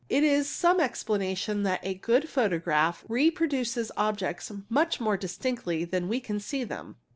It is some explanation that ago photograph reproduces objects much more distinctly than we can : them.